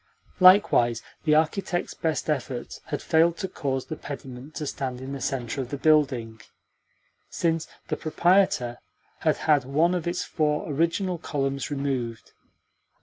Likewise, the architect's best efforts had failed to cause the pediment to stand in the centre of the building, since the proprietor had had one of its four original columns removed.